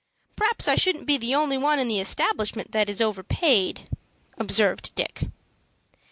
"P'r'aps I shouldn't be the only one in the establishment that is overpaid," observed Dick.